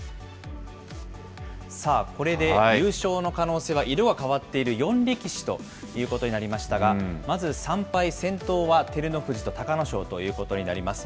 さあ、これで優勝の可能性は色が変わっている４力士ということになりましたが、まず、３敗、照ノ富士と隆の勝ということになります。